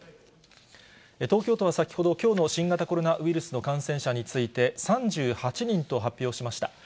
東京都は先ほど、きょうの新型コロナウイルスの感染者について、３８人と発表しました。